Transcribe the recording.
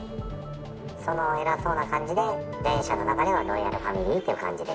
その偉そうな感じで、全社の中ではロイヤルファミリーっていう感じで。